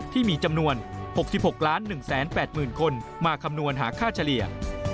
ที่มีจำนวน๖๖๑๘๐๐๐คนมาคำนวณหาค่าเฉลี่ย